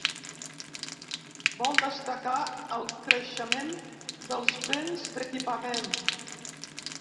Vol destacar el creixement dels béns d’equipament.